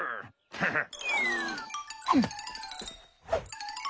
フフッ。